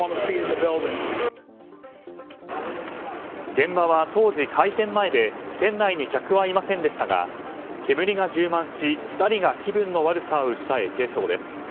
現場は当時、開店前で店内に客はいませんでしたが煙が充満し２人が気分の悪さを訴え軽傷です。